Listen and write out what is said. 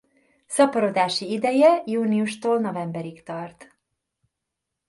Szaporodási ideje júniustól novemberig tart.